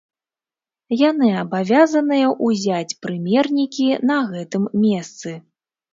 Яны абавязаныя ўзяць прымернікі на гэтым месцы.